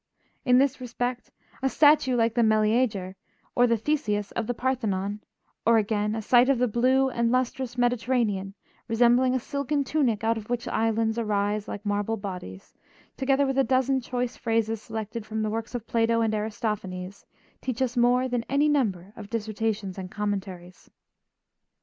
In this respect, a statue like the "Meleager" or the "Theseus" of the Parthenon, or again a sight of the blue and lustrous Mediterranean, resembling a silken tunic out of which islands arise like marble bodies, together with a dozen choice phrases selected from the works of Plato and Aristophanes, teach us more than any number of dissertations and commentaries.